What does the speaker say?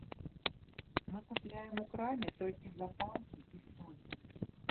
Мы купляем у краме толькі запалкі і соль.